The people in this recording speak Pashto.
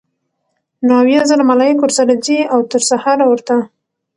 نو اويا زره ملائک ورسره ځي؛ او تر سهاره ورته